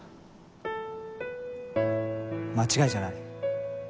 間違いじゃない。